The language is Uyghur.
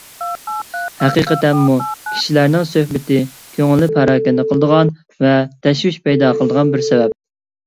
ھەقىقەتەنمۇ كىشىلەرنىڭ سۆھبىتى كۆڭۈلنى پاراكەندە قىلىدىغان ۋە تەشۋىش پەيدا قىلىدىغان بىر سەۋەب.